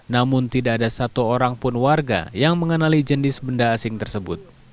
namun tidak ada satu orang pun warga yang mengenali jenis benda asing tersebut